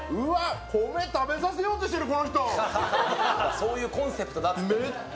そういうコンセプトだって言ってるの。